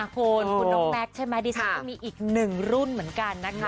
คุณคุณน้องแม็กซ์ใช่ไหมดิฉันก็มีอีกหนึ่งรุ่นเหมือนกันนะคะ